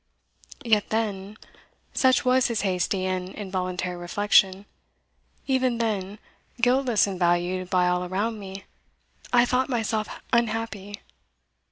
"Yet, then," such was his hasty and involuntary reflection, "even then, guiltless and valued by all around me, I thought myself unhappy.